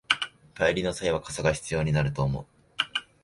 帰りの際は傘が必要になると思う